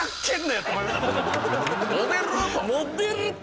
モデル！と。